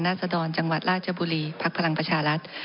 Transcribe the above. ศดรจังหวัดราชบุรีภักดิ์พลังประชารัฐ